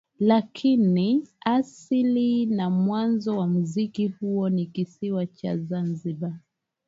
Lakini asili na mwanzo wa muziki huo ni kisiwa cha Zanzibar